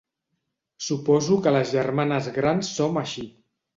Suposo que les germanes grans som així.